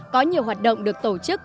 có nhiều hoạt động được tổ chức